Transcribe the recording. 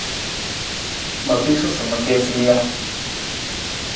Ma piisu sa ma kiisa mi ja?